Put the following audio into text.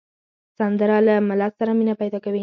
سندره له ملت سره مینه پیدا کوي